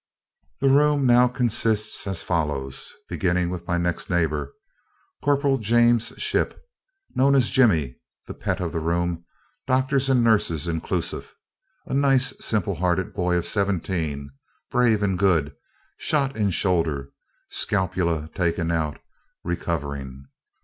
The room now consists as follows, beginning with my next neighbor: Corporal James Shipp, known as Jimmy, the pet of the room, doctors and nurses inclusive: a nice, simple hearted boy of seventeen, brave and good; shot in shoulder, scapula taken out; recovering.